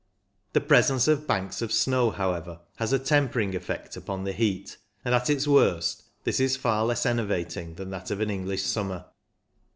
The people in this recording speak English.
The presence of banks of snow, however, has a tempering effect upon the heat, and at its worst this is far less enervating than that of an English summer.